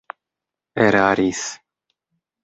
eraris